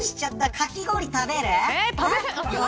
かき氷食べる。